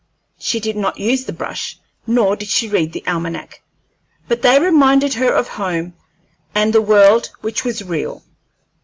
She did not use the brush, nor did she read the almanac, but they reminded her of home and the world which was real.